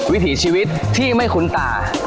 วิถีชีวิตที่ไม่คุ้นตา